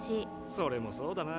それもそうだな。